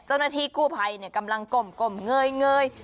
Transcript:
เจ้าหน้าที่กู้ภัยกำลังกลมเงย